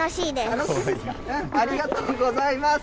ありがとうございます。